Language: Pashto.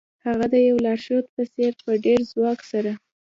هغه د یو لارښود په څیر په ډیر ځواک سره